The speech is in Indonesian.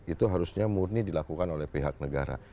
itu harusnya murni dilakukan oleh pihak negara